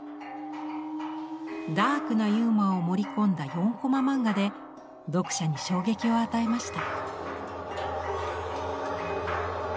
ダークなユーモアを盛り込んだ４コマ漫画で読者に衝撃を与えました。